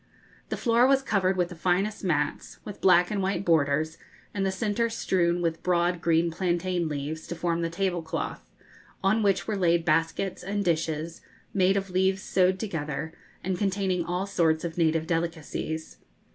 The floor was covered with the finest mats, with black and white borders, and the centre strewn with broad green plantain leaves, to form the tablecloth, on which were laid baskets and dishes, made of leaves sewed together, and containing all sorts of native delicacies.